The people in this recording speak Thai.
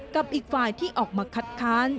กับอีกฝ่ายที่ออกมาคัดค้าน